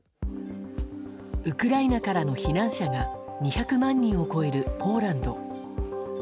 ウクライナからの避難者が２００万人を超えるポーランド。